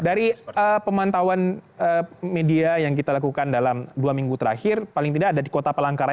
dari pemantauan media yang kita lakukan dalam dua minggu terakhir paling tidak ada di kota palangkaraya